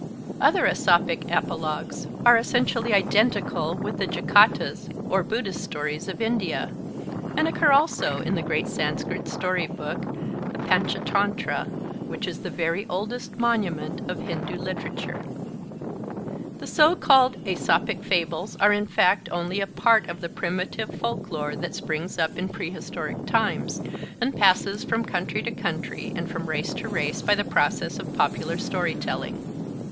Other Aesopic apologues are essentially identical with the Jatakas or Buddhist stories of India, and occur also in the great Sanskrit story book, the 'Panchatantra,' which is the very oldest monument of Hindu literature. The so called Aesopic Fables are in fact only a part of the primitive folk lore, that springs up in prehistoric times, and passes from country to country and from race to race by the process of popular story telling.